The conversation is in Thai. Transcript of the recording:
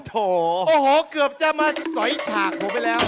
โอ้โหโอ้โหเกือบจะมาสอยฉากผมไปแล้ว